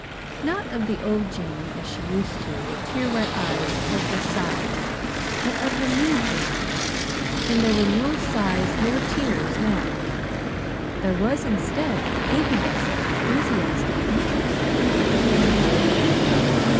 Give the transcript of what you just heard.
Not of the old Jamie, as she used to, with tear wet eyes and hopeless sighs, but of the new Jamie and there were no sighs nor tears now. There was, instead, the eagerness of enthusiastic interest.